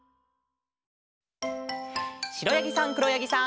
しろやぎさんくろやぎさん。